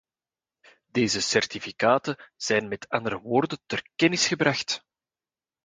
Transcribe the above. Deze certificaten zijn met andere woorden ter kennis gebracht.